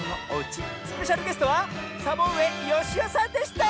スペシャルゲストはサボうえよしおさんでした！